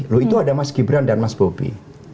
loh itu ada mas gibran dan mas bobi